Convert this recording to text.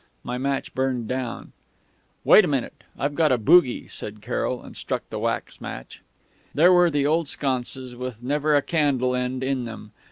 My match burned down.... "'Wait a minute I've a bougie,' said Carroll, and struck the wax match.... "There were the old sconces, with never a candle end in them.